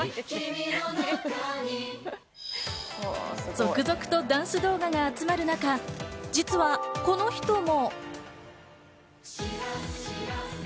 続々とダンス動画が集まる中、実はこの人も。